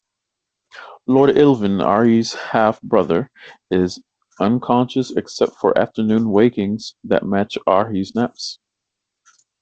Lord Illvin, Arhys's half-brother, is unconscious except for afternoon wakings that match Arhys' naps.